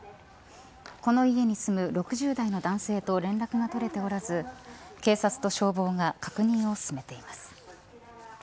この家に住む６０代の男性と連絡が取れておらず警察と消防が確認を進めています。